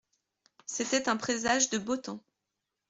C'était un présage de beau temps.